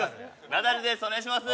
ナダルですお願いします。